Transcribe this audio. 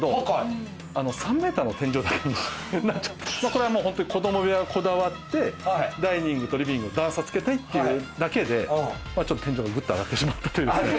これはもうホントに子ども部屋をこだわってダイニングとリビングの段差つけたいっていうだけでちょっと天井がグッと上がってしまったという。